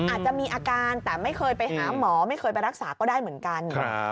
อาจจะมีอาการแต่ไม่เคยไปหาหมอไม่เคยไปรักษาก็ได้เหมือนกัน